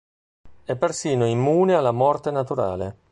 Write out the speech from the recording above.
È persino immune alla morte naturale.